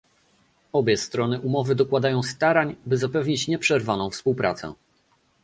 Obie strony umowy dokładają starań, by zapewnić nieprzerwaną współpracę